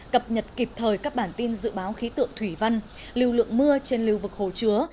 cập nhật kịp thời các bản tin dự báo khí tượng thủy văn lưu lượng mưa trên lưu vực hồ chứa